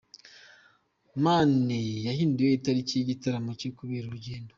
Mani yahinduye itariki y’igitaramo cye kubera urugendo